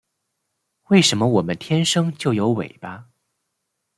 为什么我们天生就有尾巴